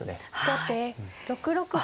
後手６六歩。